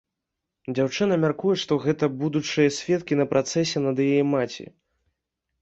Дзяўчына мяркуе, што гэта будучыя сведкі на працэсе над яе маці.